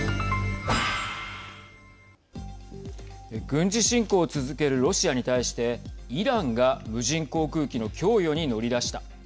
軍事侵攻を続けるロシアに対してイランが、無人航空機の供与に乗り出した。